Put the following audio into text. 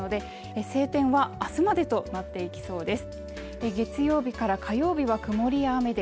晴天はあすまでとなっていきそうです